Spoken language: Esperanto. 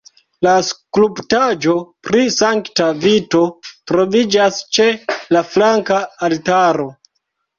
La skulptaĵo pri Sankta Vito troviĝas ĉe la flanka altaro.